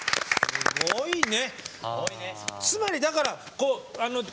すごいね。